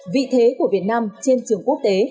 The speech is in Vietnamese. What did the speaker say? vị thế của việt nam trên trường quốc tế